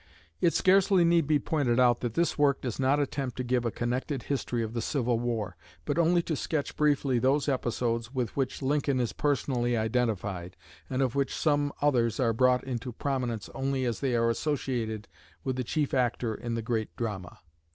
It scarcely need be pointed out that this work does not attempt to give a connected history of the Civil War, but only to sketch briefly those episodes with which Lincoln is personally identified and of which some knowledge is essential to an understanding of his acts and character. Others are brought into prominence only as they are associated with the chief actor in the great drama.